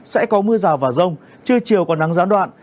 sẽ có mưa rào và rông trưa chiều còn nắng gián đoạn